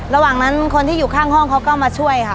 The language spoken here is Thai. ระหว่างนั้นคนที่อยู่ข้างห้องเขาก็มาช่วยค่ะ